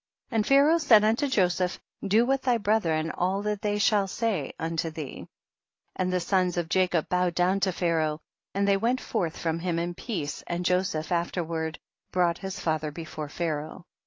24. And Pharaoh said unto Joseph, do with thy brethren all that they shall say unto thee ; and the sons of Jacob bowed down to Pharaoh, and they went forth from him in peace, and Joseph afterward brouglit his father before Pharaoh.